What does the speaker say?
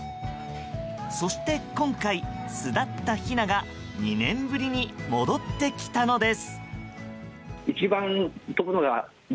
そして今回、巣立ったヒナが２年ぶりに戻ってきたのです。